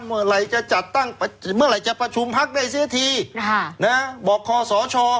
เมื่อไหร่จะจัดตั้งเมื่อไหร่จะประชุมพักได้เสียทีบอกคอสช